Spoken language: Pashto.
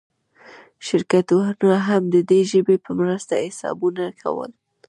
شرکتونه هم د دې ژبې په مرسته حسابونه کول.